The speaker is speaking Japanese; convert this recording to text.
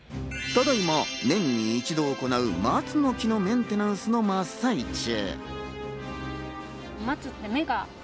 ただ今、年に一度行う、松の木のメンテナンスの真っ最中。